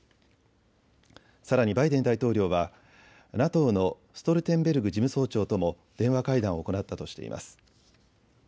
さらにバイデン大統領はＮＡＴＯのストルテンベルグ事務総長とも電話会談を行ったとしています。